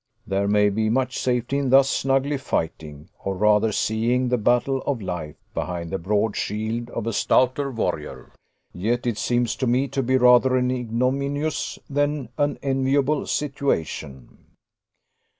There may be much safety in thus snugly fighting, or rather seeing the battle of life, behind the broad shield of a stouter warrior; yet it seems to me to be rather an ignominious than an enviable situation.